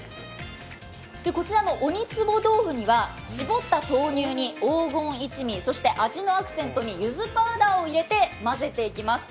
こちらの鬼壺豆腐には絞った豆乳に黄金一味、そして味のアクセントにゆずパウダーを入れて混ぜていきます。